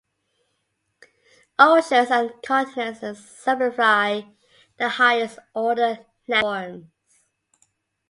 Oceans and continents exemplify the highest-order landforms.